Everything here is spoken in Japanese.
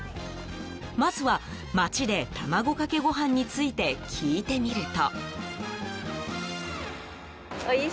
まずは、街で卵かけご飯について聞いてみると。